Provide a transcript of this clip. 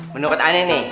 menurut aneh nih